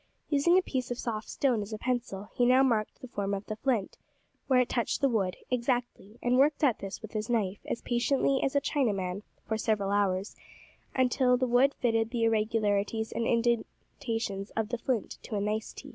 Using a piece of soft stone as a pencil, he now marked the form of the flint, where it touched the wood, exactly, and worked at this with his knife, as patiently as a Chinaman, for several hours, until the wood fitted the irregularities and indentations of the flint to a nicety.